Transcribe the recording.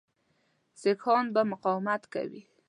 سیکهان به مقاومت کوي.